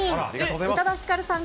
宇多田ヒカルさん